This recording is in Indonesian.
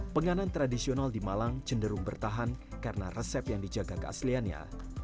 penganan tradisional di malang cenderung bertahan karena resep yang dijaga keasliannya